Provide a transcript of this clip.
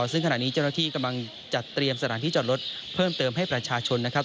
ซึ่งขณะนี้เจ้าหน้าที่กำลังจัดเตรียมสถานที่จอดรถเพิ่มเติมให้ประชาชนนะครับ